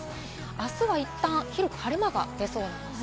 あすはいったん広く晴れ間が出そうなんです。